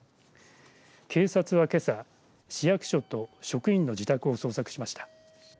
警察はけさ市役所と職員の自宅を捜索しました。